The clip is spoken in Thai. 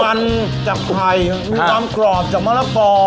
มันจากไข่มีความกรอบจากมะละกอ